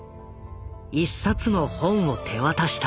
一冊の本を手渡した。